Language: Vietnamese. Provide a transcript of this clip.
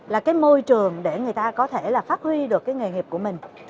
là cái môi trường để người ta có thể là phát huy được cái nghề nghiệp của mình